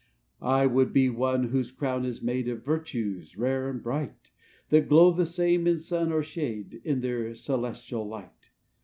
"I would be one whose crown is made Of virtues, rare and bright; That glow the same in sun or shade, In their celestial light.